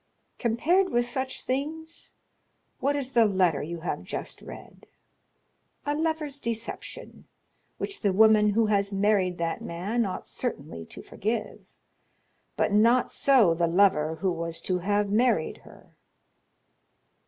Compared with such things, what is the letter you have just read?—a lover's deception, which the woman who has married that man ought certainly to forgive; but not so the lover who was to have married her.